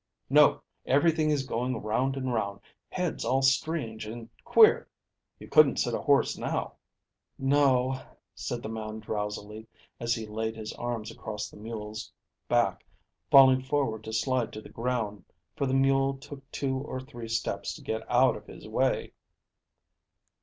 "No. Everything is going round and round. Head's all strange and queer." "You couldn't sit a horse now." "No," said the man drowsily, as he laid his arms across the mule's back, falling forward to slide to the ground, for the mule took two or three steps to get out of his way.